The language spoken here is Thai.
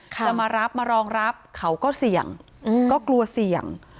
จะมารับมารองรับเขาก็เสี่ยงก็กลัวเสี่ยง